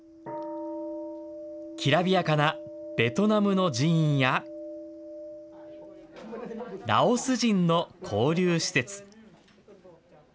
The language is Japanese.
きらびやかなベトナムの寺院や、ラオス人の交流施設。